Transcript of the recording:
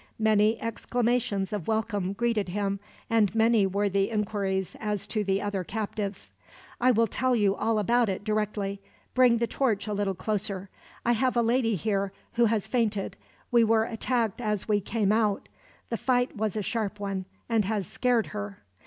Many exclamations of welcome greeted him, and many were the inquiries as to the other captives. "I will tell you all about it, directly. Bring the torch a little closer. I have a lady here who has fainted. We were attacked as we came out. The fight was a sharp one, and has scared her."